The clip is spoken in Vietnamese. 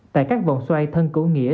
tại các vòng xoay thân cửu nghĩa